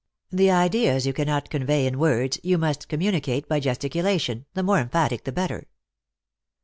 The ideas you cannot convey in words, you must communi cate by gesticulation, the more emphatic the better."